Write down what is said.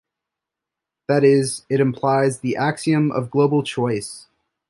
That is, it implies the axiom of global choice.